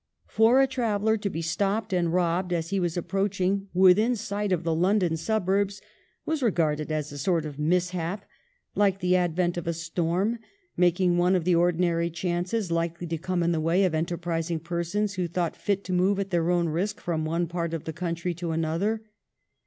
For a traveller to be stopped and robbed as he was approaching within sight of the London suburbs was regarded as a sort of mishap, like the advent of a storm, making one of the ordinary chances likely to come in the way of enterprising persons who thought fit to move at their own risk from one part of the country to another.